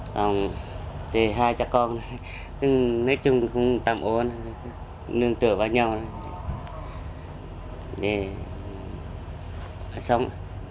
còn thì hai cha con nói chung cũng tạm ổn nương tựa vào nhau để sống